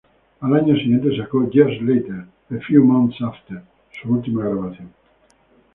El año siguiente sacó "Years Later...A Few Months After", su última grabación.